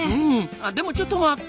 あでもちょっと待った！